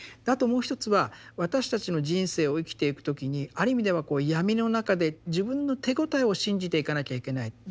であともう一つは私たちの人生を生きていく時にある意味では闇の中で自分の手応えを信じていかなきゃいけない。